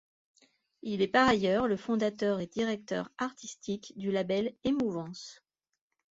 Il est par ailleurs le fondateur et directeur artistique du label Émouvance.